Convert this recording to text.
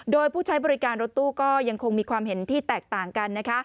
โดยผู้ใช้บริการรถตู้ก็ยังคงมีความเห็นที่แตกต่างกัน